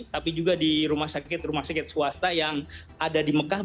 tapi juga di rumah sakit rumah sakit swasta yang ada di mekah